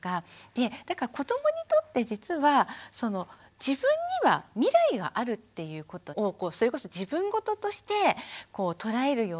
だから子どもにとって実は自分には未来があるっていうことをそれこそ自分ごととして捉えるようになったときって